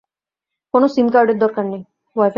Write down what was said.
কোনো সিম কার্ডের দরকার নেই।